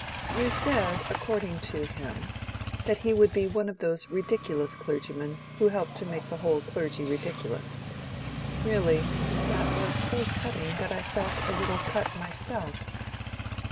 "You said, according to him, that he would be one of those ridiculous clergymen who help to make the whole clergy ridiculous. Really, that was so cutting that I felt a little cut myself."